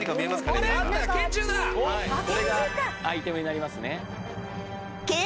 これがアイテムになりますね。